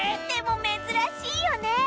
でもめずらしいよね！